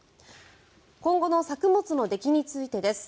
今後の作物の出来についてです。